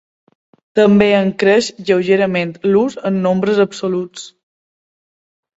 També en creix lleugerament l'ús en nombres absoluts.